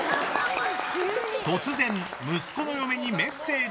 突然、息子の嫁にメッセージ。